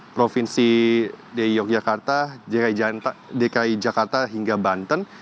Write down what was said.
provinsi di yogyakarta dki jakarta hingga banten